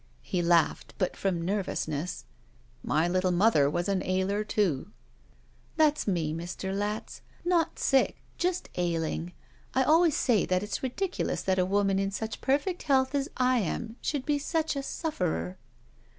He laughed, but from nervousness. 'My little mothef was an ailer, too.'* 'That's me, Mr. Latz. Not sick — ^just ailing. I always say that it's ridiculous that a woman in such perfect health as I am should be such a sufferer."